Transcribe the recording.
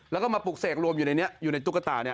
แล้วก็มาปลุกเศรษฐ์รวมอยู่ให้ในเนี่ยอยู่ในตุ๊กตาเนี่ย